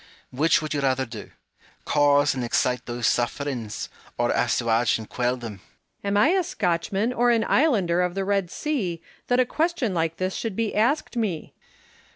Hume. Which would you rather do — cause and excite those sufferings, or assuage and quell them ? Home. Am I a Scotchman or an islander of the Red Sea, that a question like this should be asked me % Hume.